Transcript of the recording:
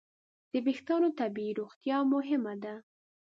د وېښتیانو طبیعي روغتیا مهمه ده.